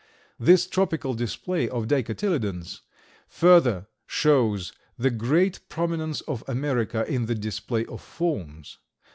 This tropical display of Dicotyledons further shows the great prominence of America in the display of forms.